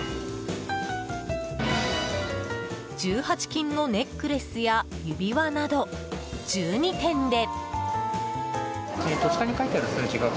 １８金のネックレスや指輪など１２点で。